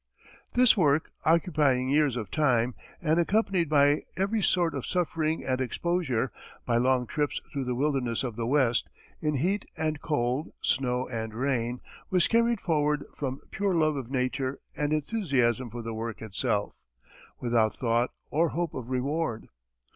This work, occupying years of time, and accompanied by every sort of suffering and exposure, by long trips through the wilderness of the west, in heat and cold, snow and rain, was carried forward from pure love of nature and enthusiasm for the work itself, without thought or hope of reward.